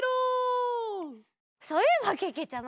そういえばけけちゃま。